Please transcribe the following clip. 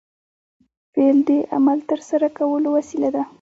فعل د عمل د ترسره کولو وسیله ده.